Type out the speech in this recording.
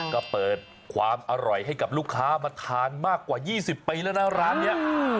ก็เปิดความอร่อยให้กับลูกค้ามาทานมากกว่า๒๐ปีแล้วนะร้านนี้